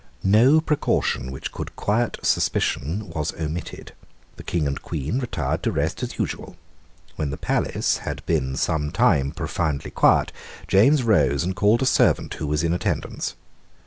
No precaution which could quiet suspicion was omitted. The King and Queen retired to rest as usual. When the palace had been some time profoundly quiet, James rose and called a servant who was in attendance.